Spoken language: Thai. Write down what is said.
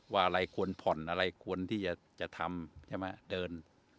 อะไรควรผ่อนอะไรควรที่จะทำใช่ไหมเดิน